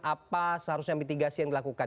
apa seharusnya mitigasi yang dilakukan